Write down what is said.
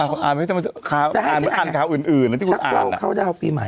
อ่านข่าวอื่นนะที่คุณอ่าน